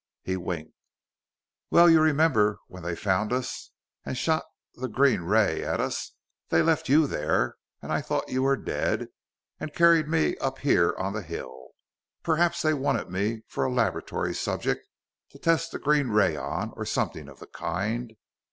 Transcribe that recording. He winked. "Well, you remember when they found us, and shot the green ray at us. They left you there I thought you were dead and carried me up here on the hill. Perhaps they wanted me for a laboratory subject to test the green ray on, or something of the kind.